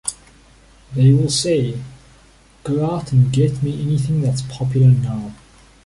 They will say, Go out and get me anything that's popular now.